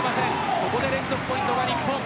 ここで連続ポイントは日本。